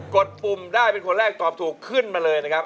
ดปุ่มได้เป็นคนแรกตอบถูกขึ้นมาเลยนะครับ